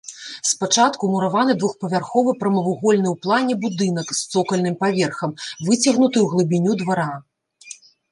Спачатку мураваны двухпавярховы прамавугольны ў плане будынак з цокальным паверхам, выцягнуты ў глыбіню двара.